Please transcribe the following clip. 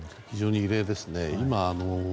非常に異例ですね。